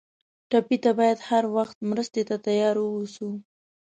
ټپي ته باید هر وخت مرستې ته تیار ووسو.